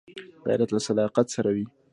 غیرت له صداقت سره وي